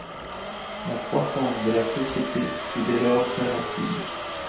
La croissance de la société fut dès lors très rapide.